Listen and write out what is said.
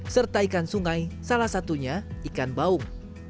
serta ikan sungai salah satunya ikan baung